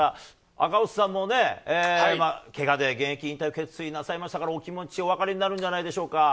赤星さんもけがで現役引退を決意なさいましたからお気持ちお分かりになるんじゃないんでしょうか。